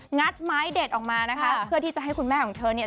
ัดไม้เด็ดออกมานะคะเพื่อที่จะให้คุณแม่ของเธอเนี่ย